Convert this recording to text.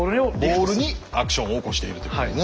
ボールにアクションを起こしているということ。